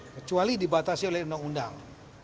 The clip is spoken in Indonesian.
kecuali dibatasi oleh undang undang